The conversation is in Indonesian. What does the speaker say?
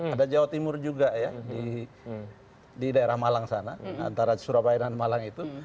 ada jawa timur juga ya di daerah malang sana antara surabaya dan malang itu